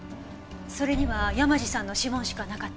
それには山路さんの指紋しかなかったけど。